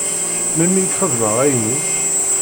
Melmi i k-xedmeɣ ayenni?